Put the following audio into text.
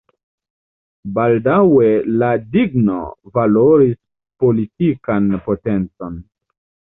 Baldaŭe la digno valoris politikan potencon.